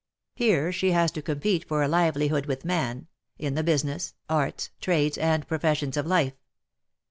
Here she has to compete for a livelihood with man, in the business, arts, trades, and professions of life.